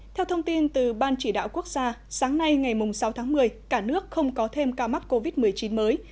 theo thông tin từ ban chỉ đạo quốc gia sáng nay ngày sáu tháng một mươi cả nước không có thêm ca mắc covid một mươi chín mới